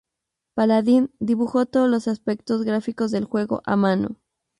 Paladin dibujó todos los aspectos gráficos del juego a mano.